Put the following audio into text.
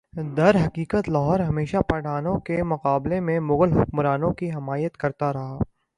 درحقیقت لاہور ہمیشہ پٹھانوں کے مقابلہ میں مغل حکمرانوں کی حمایت کرتا رہا